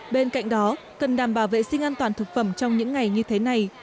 bên cạnh đó cần đảm bảo vệ sinh an toàn thực phẩm trong những ngày như thế này